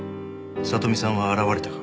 聡美さんは現れたか？